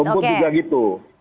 rumput juga gitu